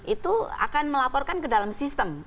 itu akan melaporkan ke dalam sistem